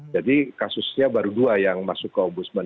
jadi kasusnya baru dua yang masuk ke ombudsman